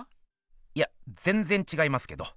いやぜんぜんちがいますけど。